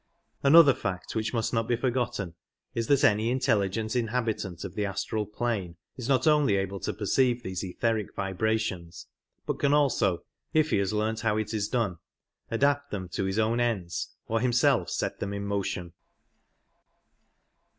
Another fact which must not be forgotten is that any in telligent inhabitant of the astral plane is not only able to perceive these etheric vibrations, but can also — if he has learnt how it is done — adapt them to his own ends or him self set them in motion.